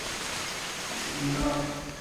楼邦彦人。